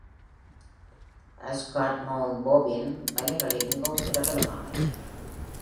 Asgard Mount Baffin மலைகளில் மிகவும் பிரபலமானது.